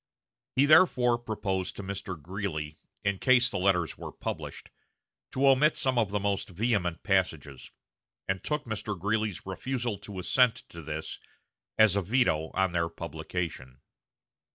He therefore proposed to Mr. Greeley, in case the letters were published, to omit some of the most vehement passages; and took Mr. Greeley's refusal to assent to this as a veto on their publication.